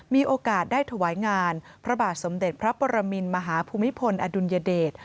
มีโอกาสได้ถวายงานพระบาทสมเด็จพระปรมินมหาภูมิพลอดุลยเดช